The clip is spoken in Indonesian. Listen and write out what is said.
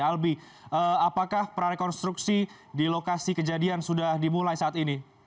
albi apakah prarekonstruksi di lokasi kejadian sudah dimulai saat ini